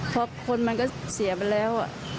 เพราะคนมันก็เสียไปแล้ว